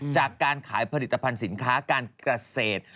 จากการขายผลิตภัณฑ์สินค้าการเกษตร